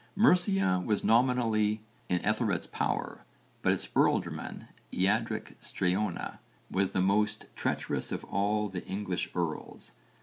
Mercia was nominally in Ethelred's power, but its ealdorman, Eadric Streona, was the most treacherous of all the English earls.